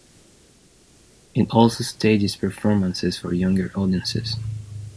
It also stages performances for younger audiences.